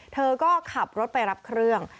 เธอก็ขับรถไปรับเครื่อง